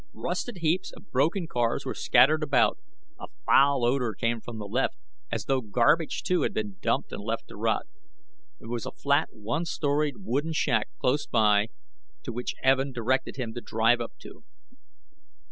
Rusted heaps of broken cars were scattered about. A foul odor came from the left as though garbage, too, had been dumped and left to rot. There was a flat one storied wooden shack close by to which Evin directed him to drive up to.